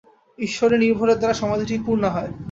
ঈশ্বরে নির্ভরের দ্বারা সমাধি ঠিক পূর্ণা হয়।